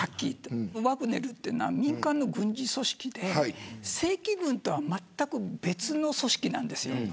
ワグネルというのは民間の軍事組織で正規軍とはまったく別の組織なんです。